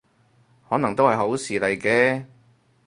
可能都係好事嚟嘅